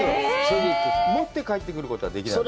持って帰ってくることもできないの？